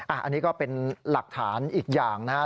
อันนี้ก็เป็นหลักฐานอีกอย่างนะครับ